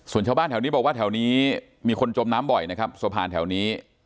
ส่วนชาวบ้านแถวนี้บอกว่าแถวนี้มีคนจมน้ำบ่อยนะครับสะพานแถวนี้